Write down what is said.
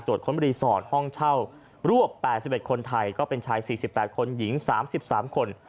ค้นรีสอร์ทห้องเช่ารวบ๘๑คนไทยก็เป็นชาย๔๘คนหญิง๓๓คน